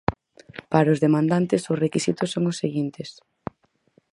Para os demandantes, os requisitos son os seguintes.